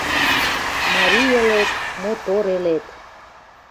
Марий элет - мотор элет